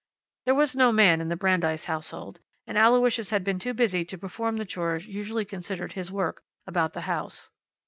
There was no man in the Brandeis household, and Aloysius had been too busy to perform the chores usually considered his work about the house.